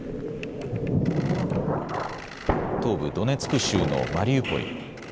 東部ドネツク州のマリウポリ。